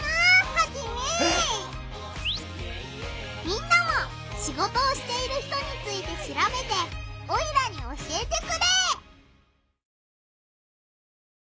みんなもシゴトをしている人についてしらべてオイラに教えてくれ！